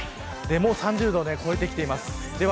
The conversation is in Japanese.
もう３０度を超えてます。